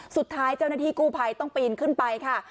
สุดท้ายเจ้าหน้าที่กู้ภัยต้องปีนขึ้นไปค่ะ